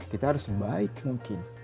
kita harus baik mungkin